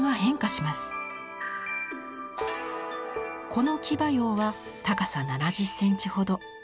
この騎馬俑は高さ７０センチほど。